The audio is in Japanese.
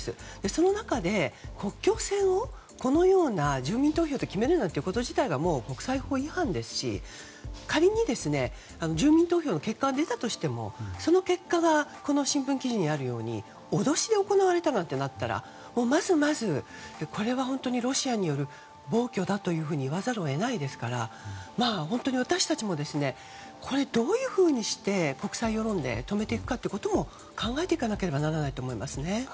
その中で、国境線をこのような住民投票で決めるなんていうこと自体が国際法違反ですし仮に住民投票の結果が出たとしてもその結果がこの新聞記事にあるように脅しで行われたということになればまずまずこれは本当にロシアによる暴挙だと言わざるを得ないですから、私たちもこれをどういうふうにして国際世論で止めていくか考えていかなければならないと思いますね。